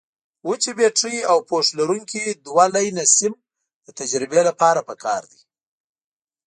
وچې بټرۍ او پوښ لرونکي دوه لینه سیم د تجربې لپاره پکار دي.